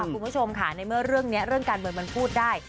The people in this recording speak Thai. คุณผู้ชมในเมื่อร่างการเมืองพูดได้